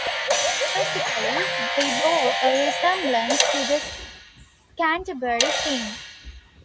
Musically, they bore a resemblance to the Canterbury scene.